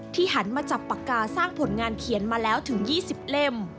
หันมาจับปากกาสร้างผลงานเขียนมาแล้วถึง๒๐เล่ม